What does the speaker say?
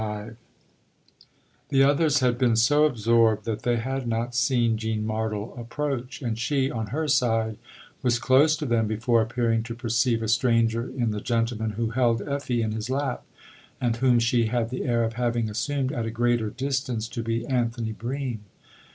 XXV THE others had been so absorbed that they had not seen Jean Martle approach, and she, on her side, was close to them before appearing to perceive a stranger in the gentleman who held Effie in his lap and whom she had the air of having assumed, at a greater distance, to be Anthony Bream.